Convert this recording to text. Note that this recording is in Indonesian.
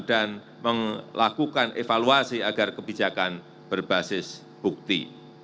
dan melakukan evaluasi agar kebijakan berbasis bukti